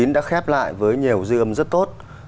hai nghìn một mươi chín đã khép lại với nhiều dư âm rất tốt